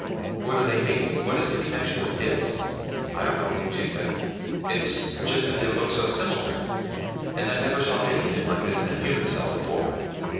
"What do they mean? What is the connection with Dis?" "I don't know," she said; "it's just that they look so similar. And I never saw anything like this in a human cell before.